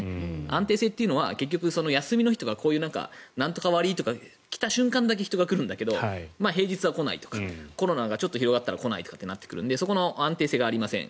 安定性というのは結局、休みの日とかこういう何とか割とか来た瞬間だけ人が来るんだけど平日は来ないとかコロナがちょっと広がったら来ないとなるのでそこの安定性がありません。